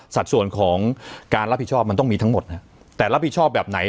สัดส่วนของการรับผิดชอบมันต้องมีทั้งหมดแต่รับผิดชอบแบบไหน